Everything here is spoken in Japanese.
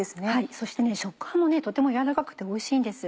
そして食感もとてもやわらかくておいしいんです。